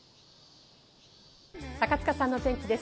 高塚さんのお天気です。